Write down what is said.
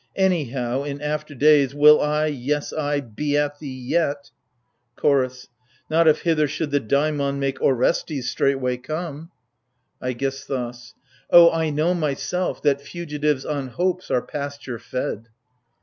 Anyhow, in after days, will T, yes, I, be at thee yet ! CHOROS. Not if hither should the Daimon make Orestes straight way come ! AGAMEMNOA. 147 AIGISTHOS. O, I know, myself, that fugitives on hopes are pasture fed!